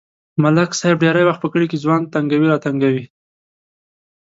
ملک صاحب ډېری وخت په کلي کې ځوان تنگوي راتنگوي.